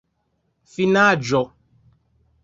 finaĵo